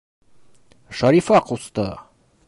Шарифа ҡусты!